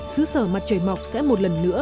xứ sở mặt trời mọc sẽ một lần nữa